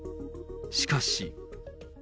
しかし。